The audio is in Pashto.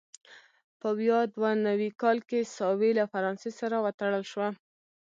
په ویا دوه نوي کال کې ساوې له فرانسې سره وتړل شوه.